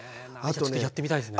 ちょっとやってみたいですね。